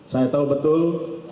saya tahu betul